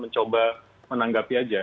saya coba menanggapi saja